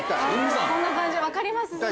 そんな感じ分かります。